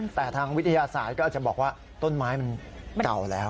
แต่ทางวิทยาศาสตร์ก็อาจจะบอกว่าต้นไม้มันเก่าแล้ว